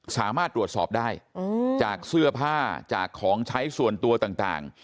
สามารถตรวจสอบได้จากเสื้อผ้าจากของใช้ส่วนตัวต่าง